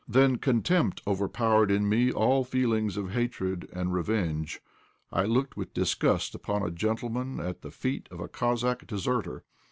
Then contempt overpowered in me all feelings of hatred and revenge. I looked with disgust upon a gentleman at the feet of a Cossack deserter.